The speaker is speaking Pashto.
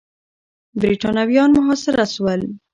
برتانويان محاصره سول.